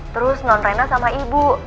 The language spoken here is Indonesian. terus non renang sama ibu